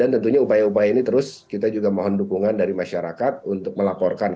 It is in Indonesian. tentunya upaya upaya ini terus kita juga mohon dukungan dari masyarakat untuk melaporkan